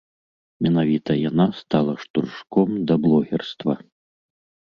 Менавіта яна стала штуршком да блогерства.